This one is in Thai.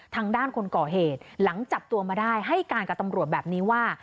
ทางด้านคนก่อเหตุหลังจับตัวมาได้ให้การกับตำรวจแบบนี้ว่า